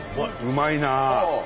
うまいな！